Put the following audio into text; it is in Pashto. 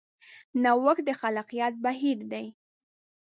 نوښت د خلاقیت بهیر دی.